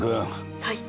はい。